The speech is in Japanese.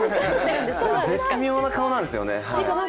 絶妙な顔なんですよね。